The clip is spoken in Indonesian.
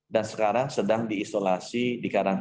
dan sekarang sedang diisolasi di rsdc wisma atlet